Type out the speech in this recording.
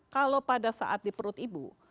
kalau pada saat di perut ibu